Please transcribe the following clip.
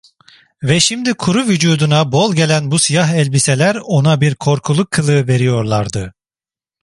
Ve şimdi kuru vücuduna bol gelen bu siyah elbiseler ona bir korkuluk kılığı veriyorlardı.